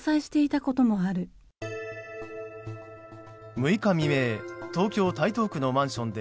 ６日未明東京・台東区のマンションで